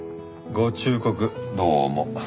ご忠告どうも。